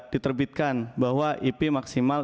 diterbitkan bahwa ip maksimal